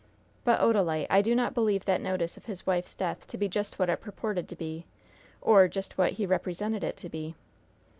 But, Odalite, I do not believe that notice of his wife's death to be just what it purported to be, or just what he represented it to be."